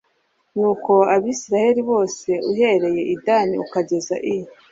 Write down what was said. nuko abisirayeli bose uhereye i dani ukageza i